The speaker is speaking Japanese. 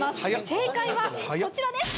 正解はこちらです！